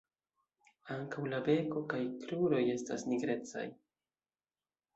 Ankaŭ la beko kaj kruroj estas nigrecaj.